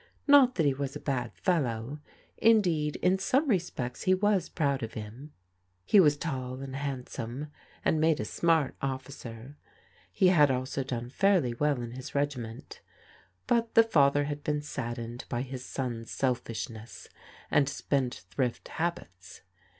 Not that he was a bad fellow. Indeed, in some respects he was proud of him. He was tall and handsome, and made a smart officer. He had also done fairly well in his regi ment ; but the father had been saddened by his son's self ishness and spendthrift habits.